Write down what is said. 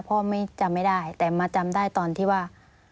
พ่อไม่จำไม่ได้แต่มาจำได้ตอนที่ว่า